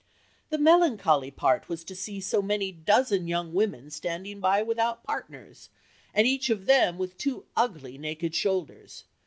"The melancholy part was to see so many dozen young women standing by without partners, and each of them with two ugly naked shoulders.